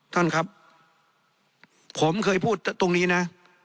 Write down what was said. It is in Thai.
ท่านครับผมเคยพูดตรงนี้นะ